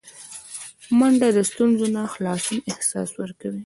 منډه د ستونزو نه خلاصون احساس ورکوي